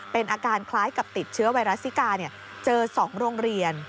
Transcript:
เป็นอาการคล้ายกับติดเชื้อไวรัสซิกาเจอ๒โรงเรียน